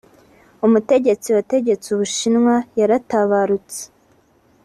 umutegetsi wategetse ubushinwa yaratabarutse